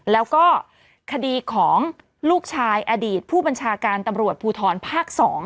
แล้วก็คดีของลูกชายอดีตผู้บัญชาการตำรวจภูทรภาค๒